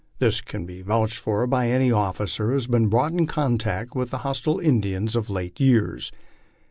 This can be vouched for by any officer who has been brought in contact with the hostile Indians of late years.